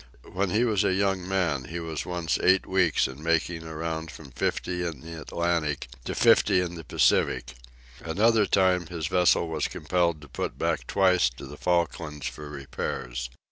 When he was a young man he was once eight weeks in making around from 50 in the Atlantic to 50 in the Pacific. Another time his vessel was compelled to put back twice to the Falklands for repairs.